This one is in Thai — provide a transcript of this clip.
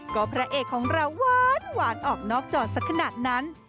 ก็พระเอกของเราหวานออกนอกจอสักขนาดนั้น